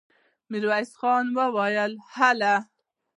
ميرويس خان وويل: هلئ!